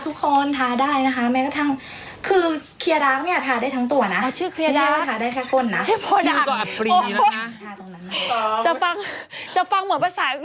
สอบเนี่ยที่ดำเนี่ยทาเข้าไปนะฮะให้มันขาว